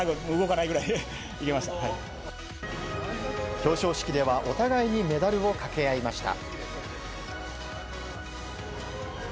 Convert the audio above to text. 表彰式では、お互いにメダルをかけ合いました。